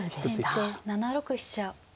先手７六飛車。